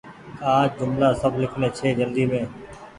آج جملآ سب لکڻي ڇي جلدي مين ۔